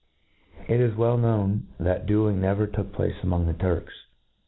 99 ' It is weil known, that duelling never took place among, the Turks.